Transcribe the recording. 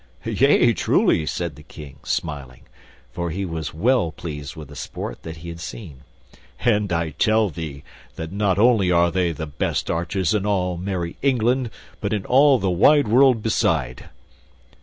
"Yea, truly," said the King, smiling, for he was well pleased with the sport that he had seen; "and I tell thee, that not only are they the best archers in all merry England, but in all the wide world beside."